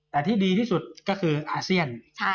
แต่ที่ดีที่สุดก็คืออาเซียน